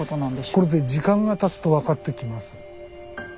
これね時間がたつと分かってきます。